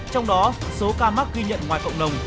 trong đó số ca mắc ghi nhận ngoài cộng đồng